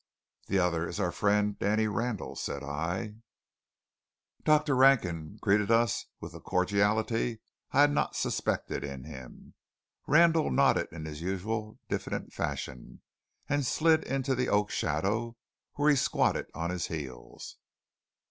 "The other is our friend Danny Randall," said I. Dr. Rankin greeted us with a cordiality I had not suspected in him. Randall nodded in his usual diffident fashion, and slid into the oak shadow, where he squatted on his heels.